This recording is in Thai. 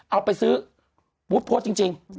เอาไปซื้อบู๊บโพสจริง